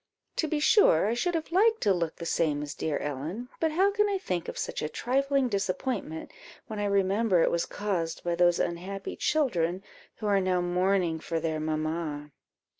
To be sure, I should have liked to look the same as dear Ellen; but how can I think of such a trifling disappointment, when I remember it was caused by those unhappy children, who are now mourning for their mamma?"